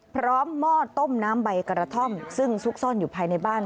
หม้อต้มน้ำใบกระท่อมซึ่งซุกซ่อนอยู่ภายในบ้าน